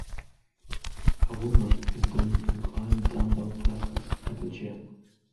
A woman is doing inclined dumbbell presses at a gym.